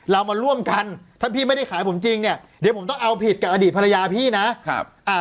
เรามาร่วมกันถ้าพี่ไม่ได้ขายผมจริงเนี่ยเดี๋ยวผมต้องเอาผิดกับอดีตภรรยาพี่นะครับอ่า